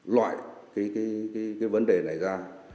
loại cái vấn đề này ra